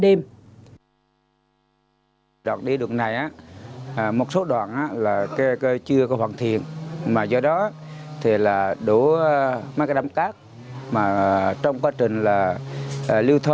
đây là nguyên liệu của công trình